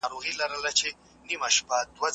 څوک د دوی د بیرته ستنولو مخه نیسي؟